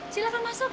silahkan masuk pak bu